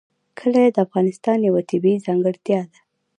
کلي د افغانستان یوه طبیعي ځانګړتیا ده.